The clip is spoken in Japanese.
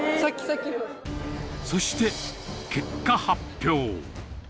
そして、結果発表。